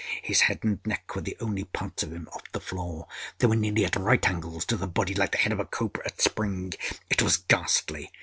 His head and neck were the only parts of him off the floor. They were nearly at right angles to the body, like the head of a cobra at spring. It was ghastly.